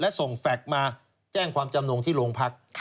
และส่งแฟลตมาแจ้งความจำนงที่โรงพัก